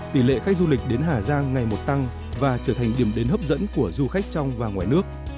tỷ lệ khách du lịch đến hà giang ngày một tăng và trở thành điểm đến hấp dẫn của du khách trong và ngoài nước